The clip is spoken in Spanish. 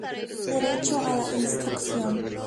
Derecho a la instrucción".